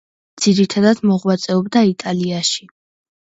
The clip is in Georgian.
ძირითადად მოღვაწეობდა იტალიაში.